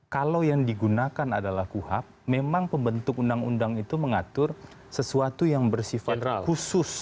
kalau yang digunakan adalah kuhap memang pembentuk undang undang itu mengatur sesuatu yang bersifat khusus